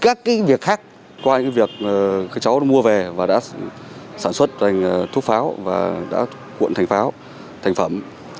các cái việc khác qua cái việc các cháu mua về và đã sản xuất thành thuốc pháo và đã cuộn thành pháo thành phẩm